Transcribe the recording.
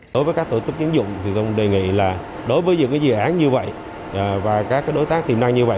đối với các tổ chức tiến dụng thì tôi đề nghị là đối với những dự án như vậy và các đối tác tiềm năng như vậy